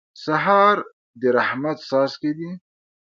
سهار د رحمت څاڅکي دي.